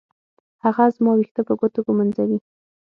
هغه زما ويښته په ګوتو ږمنځوي.